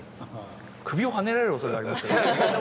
首をはねられる恐れがありますけど。